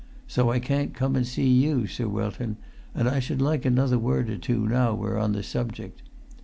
So I can't come and see you, Sir Wilton; and I should like another word or two now we're on the subject.